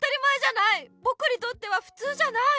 ぼくにとってはふつうじゃない。